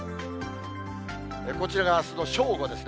こちらがあすの正午ですね。